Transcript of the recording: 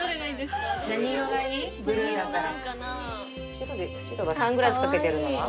白サングラス掛けてるのは？